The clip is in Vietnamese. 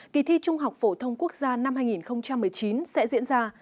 kỳ thi trung học phổ thông quốc gia năm hai nghìn một mươi chín sẽ diễn ra